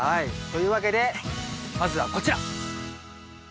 というわけでまずはこちら！